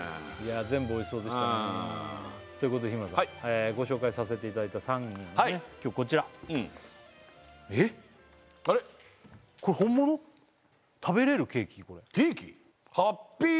全部おいしそうでしたねということで日村さんご紹介させていただいた３人のね今日こちらうんえっあれっ食べれるケーキ？これケーキ？